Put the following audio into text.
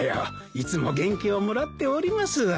いつも元気をもらっておりますわい。